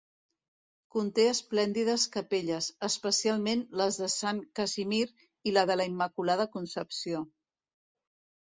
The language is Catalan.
Conté esplèndides capelles, especialment les de sant Casimir i la de la Immaculada Concepció.